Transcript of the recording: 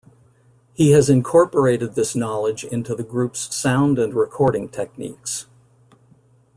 He has incorporated this knowledge into the group's sound and recording techniques.